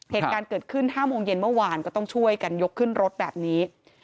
เหตุการณ์เกิดขึ้น๕โมงเย็นเมื่อวานก็ต้องช่วยกันยกขึ้นรถแบบนี้